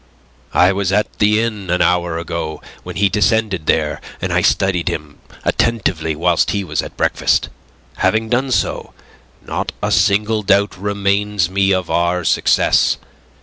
"I was at the inn an hour ago when he descended there, and I studied him attentively whilst he was at breakfast. Having done so, not a single doubt remains me of our success.